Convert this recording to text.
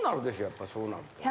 やっぱそうなると。